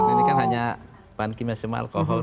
ini kan hanya bahan kimia sema alkohol